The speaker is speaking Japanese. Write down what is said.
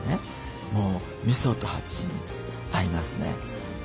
もうみそとはちみつ合いますね。